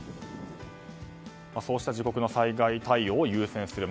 そうした自国の災害対応を優先する。